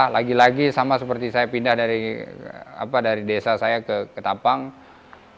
lagi lagi sama seperti saya pindah dari desa saya ke ketapang